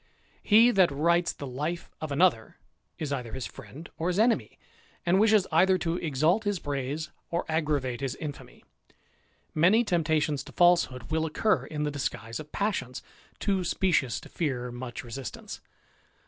He that writes the life of another is either his friend or Viis enemy, and wishes either to exalt his praise or aggravate ^is infamy: many temptations to falsehood will occur in the disguise of passions, too specious to fear much resist ance.